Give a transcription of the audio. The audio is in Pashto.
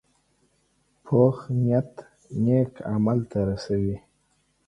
پوخ نیت نیک عمل ته رسوي